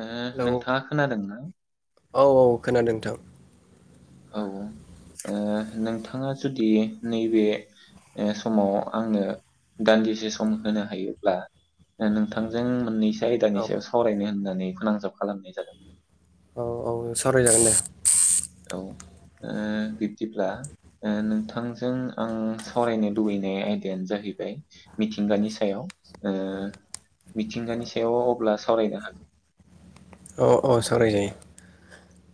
ओ हेलौ नोंथाङा खोनादोंना औ औ खोनादों नोंथां औ औ नोंथाङा जुदि नैबे समाव आंनो दान्दिसे सम होनो हायोब्ला नोंथांजों मोननैसो औ आयदानि सायाव सावरायनो होननानै फोनांजाब खालामनाय जादों औ औ सावरायजागोन दे औ ओ बिब्दिब्ला नोंथांजों आं सावरायनो लुबैनाय आयदायानो जाहैबाय मिथिंगानि सायाव ओ मिथिंगानि सायाव अब्ला सावरायनो हागोन औ औ सावराय जायो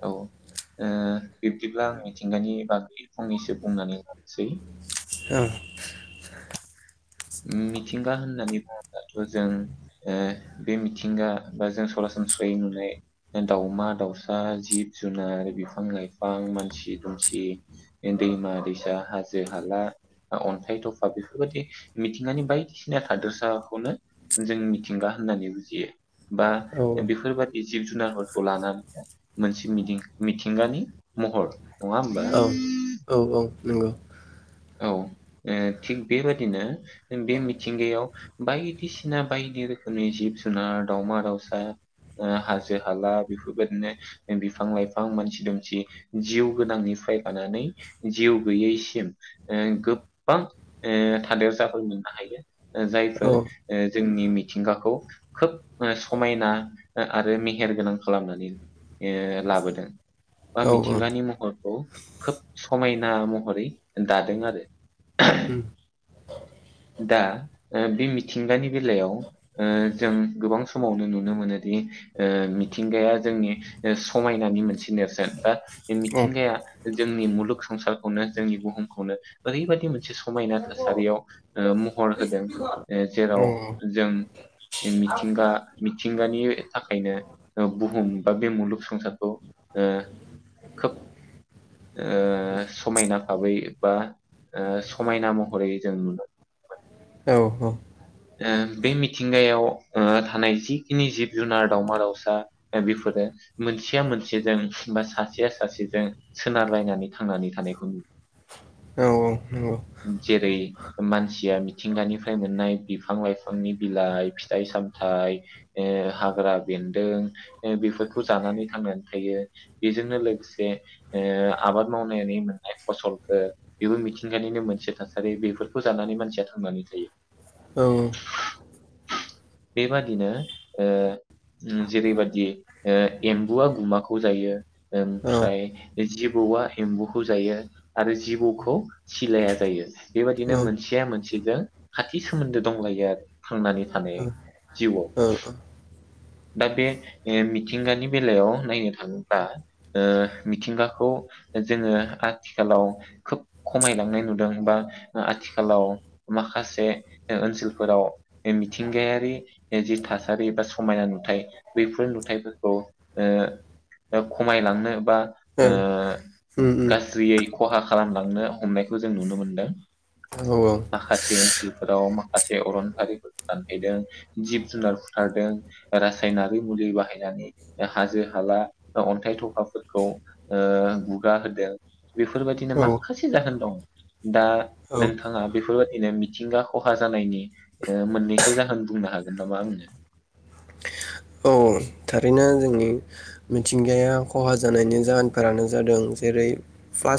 औ ओ बिब्दिब्ला आं मिथिंगानि बागै फंनैसो बुंनानै लानोसै औ मिथिंगा होननानै बुङोब्लाथ' जों बे मिथिंगा बा जों ओ सरासनस्रायै नुनाय दाावमा दाउसा जिब जुनार बिफां लाइफां मानसि दुमसि दैमा दैसा हाजो हाला अन्थाइ थफा बेफोरबायाददि मिथिंगानि बायदिसिना हादोरसाखौनो जों मिथिंगा होननानै बुजियो बा बेफोरबादि जिब जुनारफोरखौ लानानै मोनसे मिदिं मिथिंगानि महर नङा होमबा औ औ औ नंगौ औ थिग बेबादिनो बे मिथिंगायाव बायदिसिना बायदि रोखोमनि जिब जुनार दावमा दावसा ओ हाजो हाला बेफोरबायदिनो बिफां लाइफां मानसि दुमसि जिउ गोनांनिफ्राय लानानै जिउ गैयैसिम ओ गोबां ओ थादेर जाफ मोननो हायो औ जायफोर ओ जोंनि मिथिंगाखौ खोब समायना आरो मेहेरगोनां खालामनानै ओ लाबोदों बा औ औ मिथिंगानि महरखौ खोब समायना महरै दादों आरो उम दा ओ बे मिथिंगानि बेलायाव जों गोबां समावनो नुनो मोनोदि ओ मिथिंगाया जोंनि समायनानि मोनसे नेर्सोन बा औ मिथिंगाया जोंनि मुलुग संसारखौनो जोंनि बुहुमखौनो ओरैबाददि मोनसे समायना थासारियाव ओ महर होदों ओ औ जेराव जों मिथिंगा मिथिंगानि थाखायनो बुहुम बा बे मुलुग संसारखौ ओ खोब समायना भाबै ओ बा समायना महरै जों नु मोनदों ओ औ बे मिथिंगायाव ओ थानाय जिखिनि जिब जुनार दाावमा दाावसा बेफोरो मोनसेया मोनसेजों बा सासेया सासेजों सोनारलायनानै थांनानै थानायखौ नुयो औ नंगौ जेरै मानसिया मिथिंगानिफ्राय मोननाय बिफां लाइफांनि बिलाइ फिथाइ सामथाइ ओ हाग्रा बेन्दों बेफोरखौ जानानै थांनानै थायो बेजोंनो लोगोसे ओ आबाद मावनानै मोननाय फसलफोर बेबो मिथिंगानिनो मोनसे थासारि बेफोर फोजानानै मानसिया थांनानै थायो औ बेबादिनो ओ जेरैबाददि एम्बुआ गुमाखौ जायो औ ओमफ्राय जिबौआ एम्बुखौ जायो आरो जिबौखौ सिलाया जायो बेबायदिनो औ मोनसेया मोनसे मोनसेजों खाथि सोमोन्दो दंलायो आरो थांनानै थानाय ओं उम जिवाव दा बे मिथिंगानि बेलायाव नायनो थाङोब्ला ओ मिथिंगाखौ जोङो आथिखालाव खोब खमायलांनाय नुदों बा आथिखालाव माखासे ओनसोलफोराव मिथिंगायारि जि थासारि बा समायना नुदों नुथाय बेफोर नुथायफोरखौ ओ खमायलांनो बा उम ओ गाज्रियै खहा खालामलांनो हमनायखौ जों नुनो मोनदों औ माखासे ओनसोलफोराव माखासे अरनफारिफोरखौ दानहैदों जिब जुनार बुथारदों रासायनारिारि मुलि बाहायनानै हाजो हाला अन्थाइ थखाफोरखौ गुगा हुगाहोदों बेफोरबायाददिनो माखासे जाहोन दं दा औ नोंथाङा बेफोरबायाददिनो मिथिंगा खहा जानायनि मोननैसो जाहोन बुंनो हागोन नामा आंनो औ थारैनो जोंनि मिथिंगाया खहा जानायनि जाहोनफोरानो जादों जेरै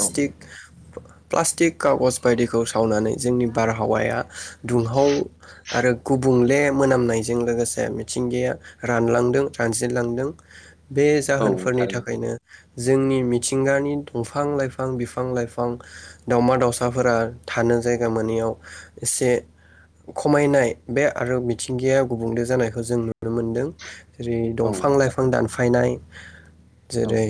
औ प्लास्टिक कागज बायदिखौ सावनानै जोंनि बारहावाया दुंहाव आरो गुबुं ले मोनामनायजों लोगोसे मिथिंगाया रानलांदों रानसिनलांदों बे औ जाहोनफोरनि थारैनो थाखायनो जोंनि मिथिंगानि दंफां लाइफां बिफां लाइफां दाावमा दाावसाफोरा थानो जायगा मोनैयाव एसे खमायनाय बे आरो मिथिंगाया गुबुंले जानायखौ जों नुनो मोनदों ओरै औ दंफां लाइफां दानफायनाय [inaudible] जेरै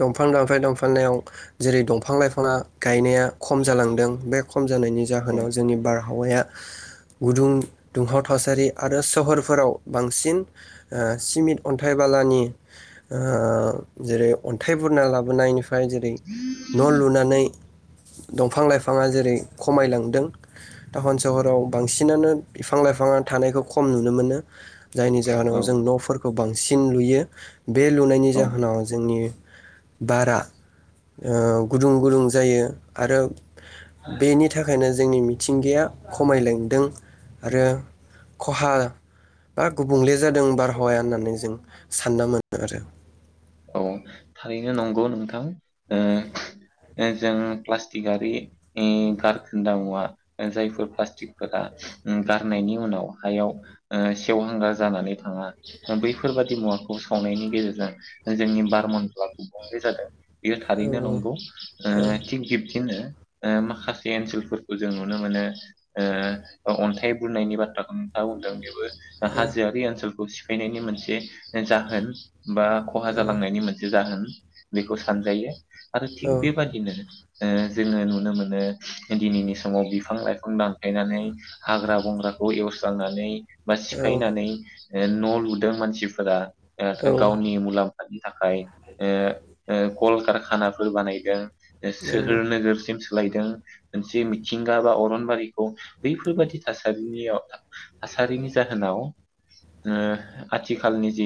दंफां दांफाय [unintelligible] व जेरै दंफां लाइफाङा गायनाया खम जालांदों बे खम जानायनि औ जाहोनाव जोंनि बारहावाया गुदुं दुंहाव थासारि आरो सहरफोराव बांसिन ओ सिमिट अन्थाइ बालानि ओ जेरै अन्थाइ बुरना लाबोनायनि फ्राय जेरै न' लुनानै दंफां लाइफाङा जेरै खमायलांदों टाउन सहराव बांसिनानो बिफां लाइफाङा थानायखौ खम नुनो मोनो जाहोनाव औ जों न'फोरखौ बां सिन लुयो बे लुनायनि औ जाहोनाव जोंनि बारा ओ गुदुं गुदुं जायो आरो बेनि थाखायनो जोंनि मिथिंगाया खमायलांदों आरो खहा बा गु बुंले जादों बारहावाया होननानै जों सानना मोनो आरो औ थारैनो नंगौ नोंथां ओ जों प्लास्टिकारि उम गारखोन्दा मुवा ओ जायफोर प्लास्टिकफोरा उम गारनायनि उनाव हायाव ओ सेवहांगार जानानै थाङा बैफोरबादि मुवाखौ सावनायनि गेजेरजों जोंनि बार मडला गुबुंले जादों बेयो थारैनो औ नंगौ औ थिग ओ बिब्दिनो ओ माखासे ओनसोलफोरखौ जों नुनो मोनो ओ अन्थाइ बुरनायनि बाथ्राखौ नोंथाङा बुंदों बे औ हाजोआरि ओनसोलखौ फैनायनि मोनसे जाहोन बा खहा जालांनायनि मोनसे जाहोन बेखौ सानजायो आरो थिग औ बेबादिनो जोङो नुनो मोनो दिनैनि समाव बिफां लाइफां दानफ्लेनानै हाग्रा बंग्राखौ एवस्रांनानै बा सिफायनानै ओ न' लुदों मानसिफोरा ओ गावनि मुलामफ नि थाखाय ओ ओ कल कारखानाफोर बानायदों सोहोर नोगोरसिम सोलायदों मोनसे मिथिंगा बा अरनबारिखौ बैफोरबादि थासारिनियाव थासारिनि जाहोनाव ओ आथिखालनि जि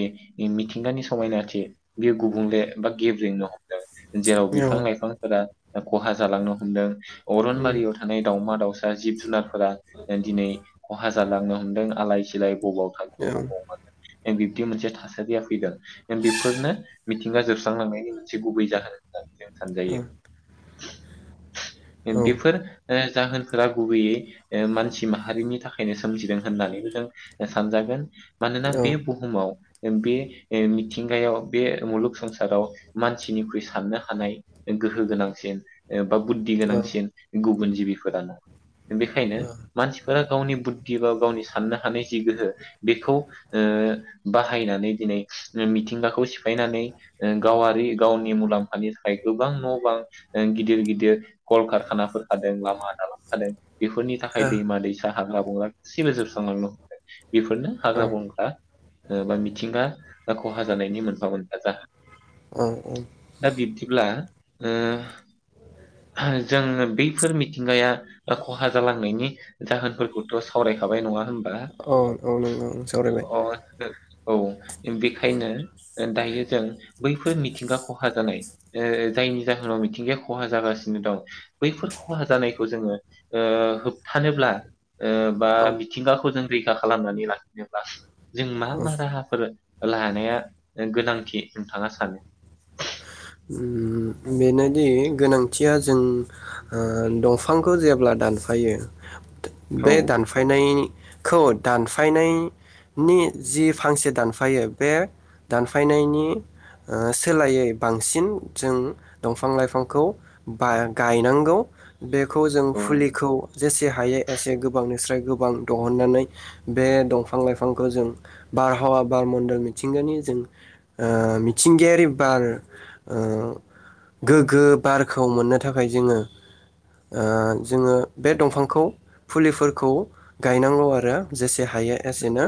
मिथिंगानि समायना' ए बेयो गुबुंले बा गिफ्ट ज्रिननो हमदों जेराव औ बिफां उम लाइफांफोरा खहा जालांनो हमदों अरनबारियाव औ थानाय दाावमा दाउसा जिब जुनारफोरा दिनै खहा जालांनो हमदों आलाय सिलाय बबाव औ थागोन बबाव मागोन बिबदि मोनसे थासारिया फैदों बेफोरनो मिथिंगा जोबस्रांलांनायनि मोनसे गुबै जाहोन होननानै जों सानजायो ओम बेफोर ओ जाहोनफोरा गुबैयै मानसि माहारिनि थाखायनो सोमजिदों होननानैबो जों सानजागोन मानोना बे बुहुमाव एम पि एमि मिथिंगायाव बे मुलुग संसाराव मानसिनिख्रुइ साननो हानाय गोहो गोनांसिन बा बुद्धि गोनांसिन गुबुन जिबिफोरानो बेखायनो मानसिफोरा गावनि बुद्धि बा गावनि साननो हानाय जि गोहो बेखौ ओ बाहायनानै दिनै मिथिंगाखौ सिफायनानै गावारि गावनि मुलाम्फानि थाखाय गोबां न' बां ओ गिदिर गिदिर कलकारखानाफोर खादों लामा दालां खादों बेफोरनि थाखाय दैमा दैसा हाग्रा बंग्रा गासिबो जोबस्रां लांनो हमदों बेफोरनो हाग्रा बंग्रा ओ बा मिथिंगा ब खहा जानायनि मोनफा मोनफा जाहोन औ दा बिब्दिब्ला ओ जोङो बैफोर मिथिंगाया खहा जालांनायनि जाहोनफोरखौथ' सावरायखाबाय नङा होमबा? औ औ नंगौ अ सावरायबाय औ बेखायनो दायो जों बैफोर मिथिंगा खहा जानाय जायनि जाहोनाव मिथिंगाया खहा जागासिनो दं बैफोर खहा जानायखौ जोङो ओ होबथानोब्ला ओ बा औ मिथिंगाखौ जों रैखा खालामनानै लाखिनोब्ला जों मा औ मा राहाफोर लानाया गोनांथि नोंथाङा सानो ओम बेनोदि गोनांथिया जों ओ दंफांखौ जेब्ला दानफायो औ बे दानफायनायनि खौ दानफायनायनि जि फांसे दानफायो बे दानफायनायनि सोलायै बांसिन जों दंफां लाइफांखौ बा गायनांगौ बेखौ जों औ फुलिखौ जेसे हायो एसे गोबांनिस्राय गोबां दिहुननानै बे दंफां लाइफांखौ जों बारहावा बार मनडलनि मिथिंगानि जों मिथिंगायारि बार ओ गोग्गो बारखौ मोननो थाखाय जोङो ओ जोङो बे दंफांखौ फुलिफोरखौ गायनांगौ आरो जेसे हायो संनो औ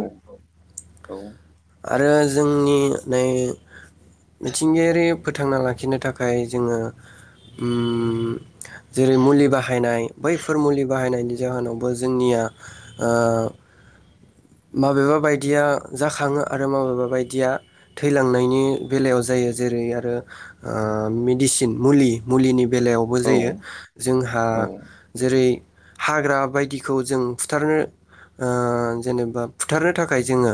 औ हायो एसेनो जोंनि नै मिथिंगायारि फोथांना लाखिनो थाखाय जोङो उम जेरै मुलि बाहायनाय बैफोर मुलि बाहायनायनि जाहोनावबो जोंनिया ओ माबेबा बायदिया जाखाङो आरो माबेबा बायदिया थैलांनायनि बेलायाव जायो जेरै आरो ओ मेडिसिन मुलि मुलिनि बेलायावबो औ जायो जोंहा औ जेरै हाग्रा बायदिखौ जों बुथारनो जेनेबा बा बुथारनो थाखाय जोङो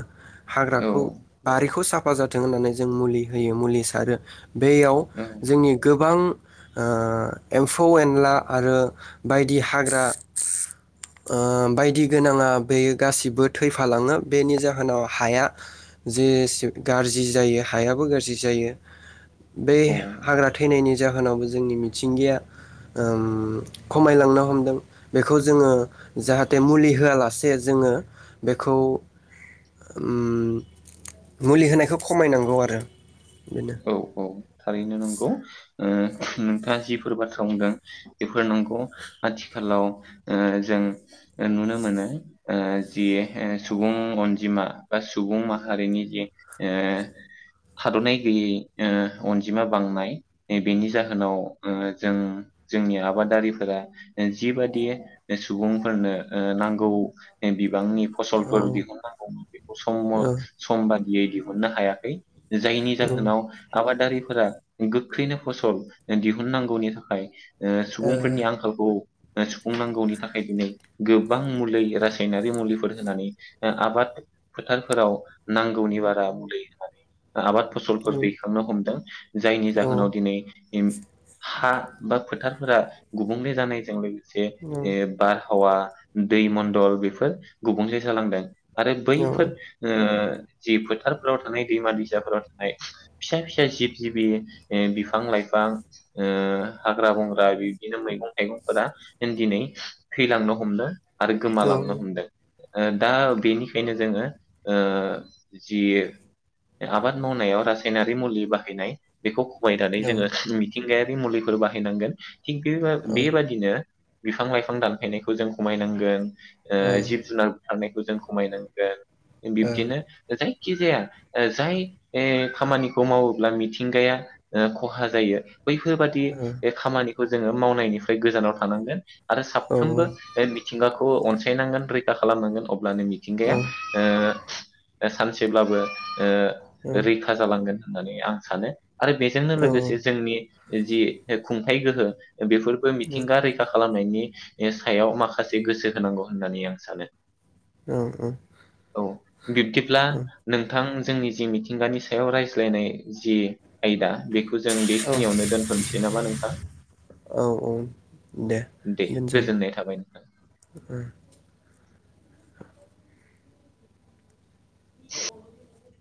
हाग्राखौ बारिखौ बेखौ साफा जाथों होननानै जों मुलि होयो मुलि सारो बेयाव औ जोंनि गोबां ओ एम्फौ एनला आरो बायदि हाग्रा बायदि गोनाङा बेयो गासिबो थैफालाङो बेनि जाहोनाव हाया जेसे गाज्रि जायो हायाबो गाज्रि जायो बे औ हाग्रा थैनायनि जाहोनावबो जोंनि मिथिंगाया ओम खमायलांनो हमदों बेखौ जोङो जाहाथे मुलि होआलासे जोङो बेखौ ओम मुलि होनायखौ खमायनांगौ आरो बेनो औ औ थारैनो नंगौ ओ नोंथाङा जिफोर बाथ्रा बुंदों बेफोर नंगौ आथिखालाव ओ जों नुनो मोनो जि सुबुं अनजिमा बा सुबुं माहारिनि जे थादनाय जि ओ अनजिमा बांनाय बेनि जाहोनाव ओ जोंनि आबारि जिबादि सुबुंफोरनो नांगौ बिबांनि औ फसलफोर दिहुननांगौमोन बे ओ सम बादियै दिहुननो हायाखै जायनि जा ओम होनाव आबाद दारिफोरा गोख्रैनो फसल दिहुननांगौनि थाखाय ओ सुबुंफोरनि आंखालखौ सुफुंनांगौनि थाखाय दिनै गोबां मुलि रासायनारि मुलिफोर होनानै ओ आबाद फोथारफोराव नांगौनि बारा मुलि होनानै ओ आबाद फसल दैखांनो हमदों जायनि जाहोनाव दिनै हा बा फोथारफोरा गुबुंले जानायजों लोगोसे से ए बार आबहावा दै मण्न्दल बेफोर गुबुंले जालांदों आरो ओम बैफोर ओ जि फोथारफोराव थानाय दैमा दैसाफोराव थानाय फिसा फिसा जिब जिबि बिफां लाइफां ओ हाग्रा बंग्रा बिदिनो मैगं थाइगंफोरा दिनै थैलांनो हमनो आरो औ ओम गोमालांनो हमदों ओ दा बेनिखायनो जोङो ओ जि आबाद मावनायाव रासायनारि मुलि बाहायनाय बेखौ खमायनानै औ जोङो मिथिंगायारि मुलिफोर बाहायनांगोन थिग बे औ बेबादिनो बिफां लाइफां दानफैनायखौ जों खमायनांगोन ओ जिब जुनारफोरनि खौ जों खमायनांगोन बिबदिनो [unintelligible] खि जाया ओ जाय ए खामानिखौ मावोब्ला मिथिंगाया ओ खहा जायो बैफोरबादि औ ओ खामानि खौ जोङो मावनायनिफ्राय गोजानाव थानांगोन आरो ओ साफ्रोमबो औ ओ मिथिंगाखौ अनसायनांगोन रैखा खालामनांगोन अ अब्लानो औ मिथिंगाया ओ सानसेब्लाबो ओ रैखा जालांगोन होननानै आं सानो आरो बेजोंनो औ लोगोसे जोंनि जि खुंथाइ गोहो बेफोरबो मिथिंगा रैखा खालामनायनि ओ सायाव माखासे गोसो होनांगौ होननानै आं सानो औ औ बिबदिब्ला नोंथां जोंनि जि मिथिंगानि सायाव रायज्लायनाय जि आयदा बेखौ जों औ बेखिनियावनो दोनथ'नोसै नामा नोंथां औ औ दे दोनजायो गोजोननाय थाबाय नोंथां [unintelligible]